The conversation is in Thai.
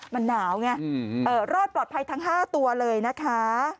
มันหนาวไงรอดปลอดภัยทั้ง๕ตัวเลยนะคะ